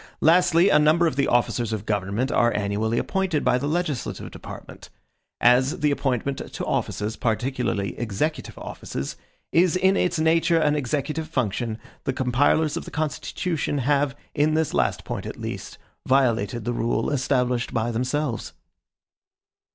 Lastly, a number of the officers of government are annually appointed by the legislative department. As the appointment to offices, particularly executive offices, is in its nature an executive function, the compilers of the Constitution have, in this last point at least, violated the rule established by themselves.